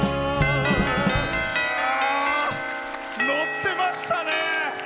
乗ってましたね！